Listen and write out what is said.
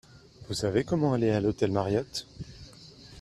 Vous savez comment aller à l'hôtel Mariott ?